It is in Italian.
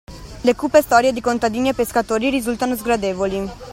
Le cupe storie di contadini e pescatori risultano sgradevoli.